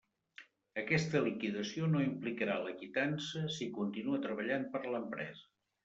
Aquesta liquidació no implicarà la quitança si continua treballant per a l'empresa.